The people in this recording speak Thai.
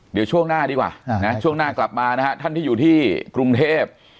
เดี๋ยวช่วงหน้าดีกว่านะช่วงหน้ากลับมานะฮะท่านที่อยู่ที่กรุงเทพ